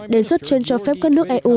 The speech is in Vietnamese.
đề xuất trên cho phép các nước eu